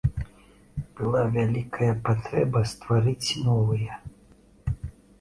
Была вялікая патрэба стварыць новыя.